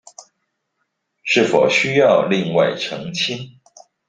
是否需要另外澄清